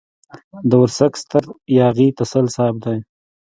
د ورسک ستر ياغي تسل صاحب دی.